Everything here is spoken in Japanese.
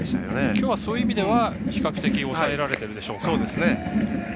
きょうはそういう意味では比較的抑えられているでしょうか。